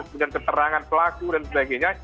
kemudian keterangan pelaku dan sebagainya